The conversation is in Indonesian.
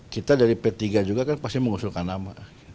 kita dari p tiga juga kan pasti mengusulkan nama